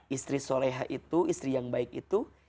istri soleha itu istri yang baik itu